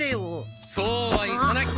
そうはいかない！